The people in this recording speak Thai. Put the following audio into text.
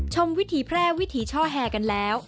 วิถีแพร่วิถีช่อแห่กันแล้ว